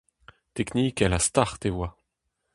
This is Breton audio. Teknikel ha start e oa.